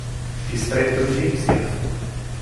Distretto di Lipsia